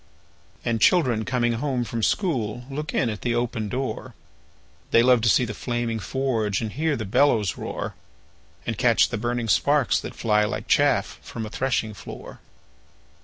And children coming home from school Look in at the open door; They love to see the flaming forge, And hear the bellows roar, And catch the burning sparks that fly, Like chaff from a threshing floor.